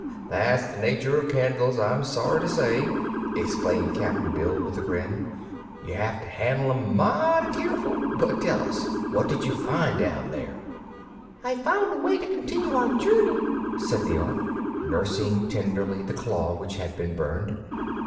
"That's the nature of candles, I'm sorry to say," explained Cap'n Bill, with a grin. "You have to handle 'em mighty keerful. But tell us, what did you find down there?" "I found a way to continue our journey," said the Ork, nursing tenderly the claw which had been burned.